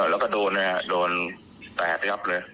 แล้วก็โดนโดนแตกยับเลย